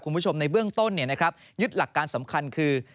คุณผู้ชมในเบื้องต้นยึดหลักการสำคัญคือ